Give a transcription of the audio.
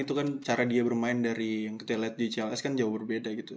itu kan cara dia bermain dari yang kita lihat di cls kan jauh berbeda gitu